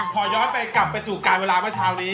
พอย้อนไปกลับไปสู่การเวลาเมื่อเช้านี้